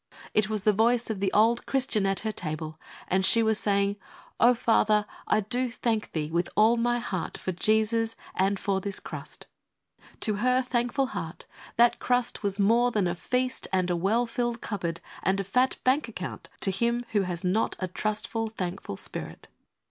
It was the voice of the old Christian at her table, and she was saying, O Father, I do thank Thee with all my heart for Jesus and this crust." *♦<«■ To her thankful heart that crust was more than a feast and a well filled cupboard and a fat bank account to him who has not a trustful, thankful spirit.